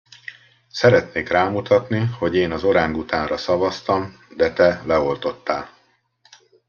Szeretnék rámutatni, hogy én az orángutánra szavaztam, de te leoltottál.